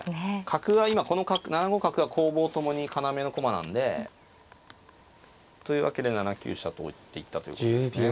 角が今この７五角が攻防ともに要の駒なんでというわけで７九飛車と寄っていったということですね。